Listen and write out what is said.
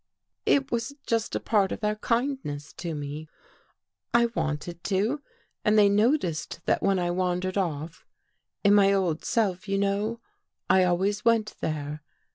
" It was just a part of their kindness to me. I wanted to and they noticed that when I wandered off — in my old self, you know — I always went there.